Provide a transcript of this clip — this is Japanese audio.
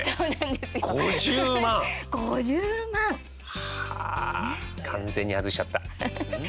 はあ、完全に外しちゃった。